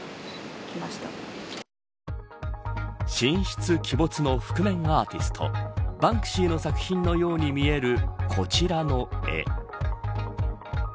神出鬼没の覆面アーティストバンクシーの作品のように見えるこちらの絵。